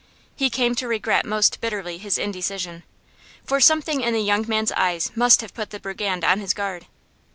He came to regret most bitterly his indecision; for something in the young man's eyes must have put the brigand on his guard.